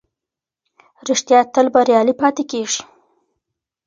رښتيا تل بريالی پاتې کېږي.